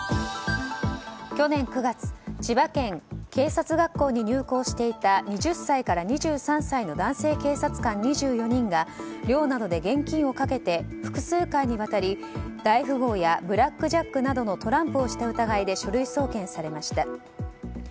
去年９月千葉県警察学校に入校していた２０歳から２３歳の男性警察官２４人が寮などで現金をかけて複数回にわたり大富豪やブラックジャックなどのトランプをした疑いで書類送検されました。